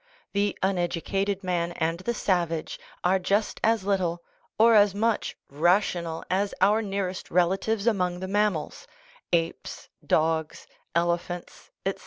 The uneducated man and the sav age are just as little (or just as much) "rational" as our nearest relatives among the mammals (apes, dogs, elephants, etc.).